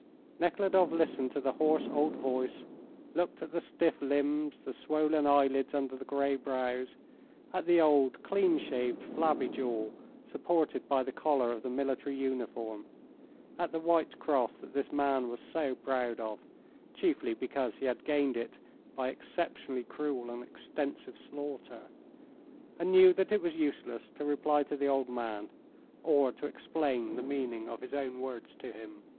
Nekhludoff listened to the hoarse old voice, looked at the stiff limbs, the swollen eyelids under the grey brows, at the old, clean shaved, flabby jaw, supported by the collar of the military uniform, at the white cross that this man was so proud of, chiefly because he had gained it by exceptionally cruel and extensive slaughter, and knew that it was useless to reply to the old man or to explain the meaning of his own words to him.